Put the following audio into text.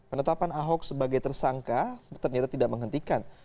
penetapan ahok sebagai tersangka ternyata tidak menghentikan